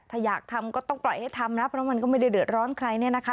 ถ้าอยากทำก็ต้องปล่อยให้ทำนะเพราะมันก็ไม่ได้เดือดร้อนใครเนี่ยนะคะ